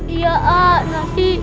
iya ah nanti